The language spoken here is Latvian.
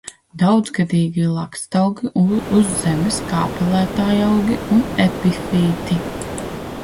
Daudzgadīgi lakstaugi uz zemes, kāpelētājaugi un epifīti.